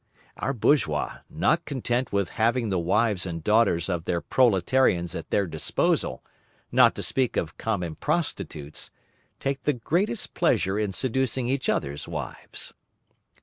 Our bourgeois, not content with having the wives and daughters of their proletarians at their disposal, not to speak of common prostitutes, take the greatest pleasure in seducing each other's wives.